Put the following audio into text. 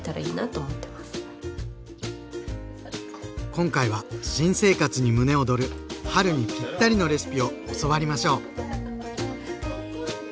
今回は新生活に胸躍る春にピッタリのレシピを教わりましょう！